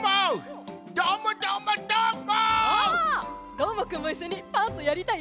どーもくんもいっしょに「パント！」やりたい？